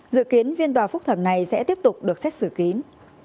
dự kiến phiên tòa phúc thẩm này sẽ tiếp tục được xét xử kín